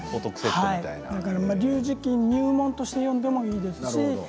劉慈欣入門として読んでもいいですし。